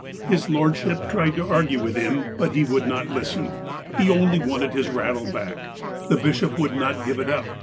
His lordship tried to argue with him ; but he would not listen. He only wanted his rattle back. The TROUBLES BREWING 255 bishop would not give it up.